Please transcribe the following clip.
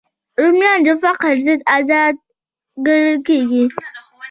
رومیان د فقر ضد غذا ګڼل کېږي